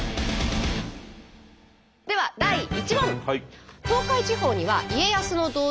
では第１問。